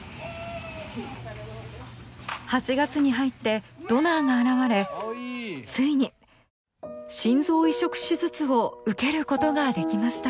８月に入ってドナーが現れついに心臓移植手術を受けることができました。